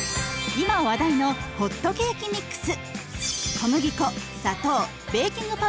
今話題のホットケーキミックス。